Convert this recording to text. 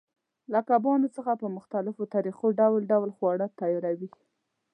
له کبانو څخه په مختلفو طریقو ډول ډول خواړه تیاروي.